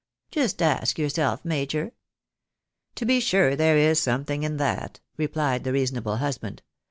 Just ask yourself, major ?"" To be sure, there is something in that," replied the reasonable husband.